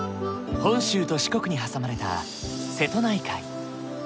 本州と四国に挟まれた瀬戸内海。